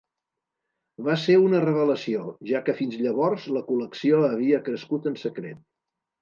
Va ser una revelació, ja que fins llavors la col·lecció havia crescut en secret.